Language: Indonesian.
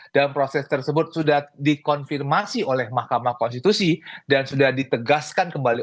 dan proses tersebut sudah dikonfirmasi oleh mahkamah konstitusi dan sudah ditegaskan kembali